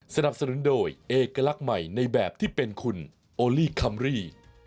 สนับสนุนโดยเอกลักษณ์ใหม่ในแบบที่เป็นคุณโอลี่คัมรี่